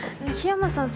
桧山さん